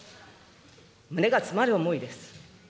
胸が詰まる思いです。